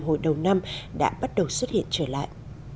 hồi đầu năm đã bắt đầu xuất hiện trở lại